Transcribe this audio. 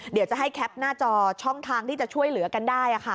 เดี๋ยวจะให้แคปหน้าจอช่องทางที่จะช่วยเหลือกันได้